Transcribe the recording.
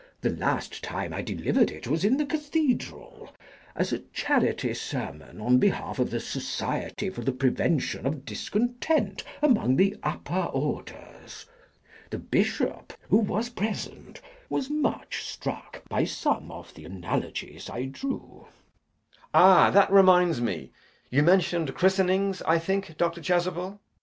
The last time I delivered it was in the Cathedral, as a charity sermon on behalf of the Society for the Prevention of Discontent among the Upper Orders. The Bishop, who was present, was much struck by some of the analogies I drew. JACK. Ah! that reminds me, you mentioned christenings I think, Dr. Chasuble?